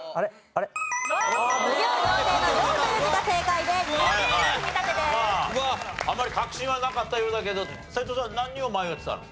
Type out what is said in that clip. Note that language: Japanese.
あんまり確信はなかったようだけど斎藤さん何を迷ってたの？